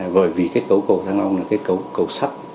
bởi vì kết cấu cầu thăng long là kết cấu cầu sắt